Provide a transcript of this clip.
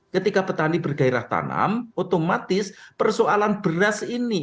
ketika petani bergairah tanam otomatis persoalan beras ini